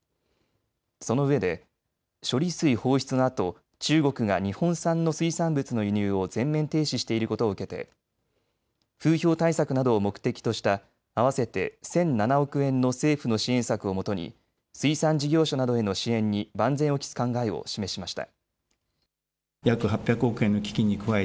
そのうえで処理水放出のあと中国が日本産の水産物の輸入を全面停止していることを受けて風評対策などを目的とした合わせて１００７億円の政府の支援策をもとに水産事業者などへの支援に万全を期す考えを示しました。